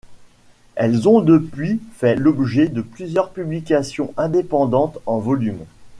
Elles ont depuis fait l'objet de plusieurs publications indépendantes en volumes.